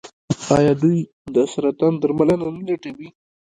آیا دوی د سرطان درملنه نه لټوي؟